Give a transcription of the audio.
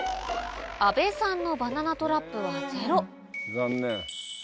阿部さんのバナナトラップはゼロ残念。